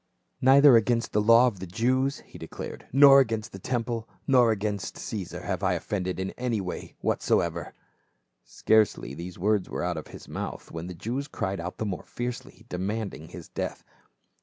" Neither against the law of the Jews," he declared, " nor against the tem ple, nor yet against Caesar, have I offended in any way whatsoever." Scarcely were the words out of his mouth when the Jews cried out the more fiercely, demanding his death.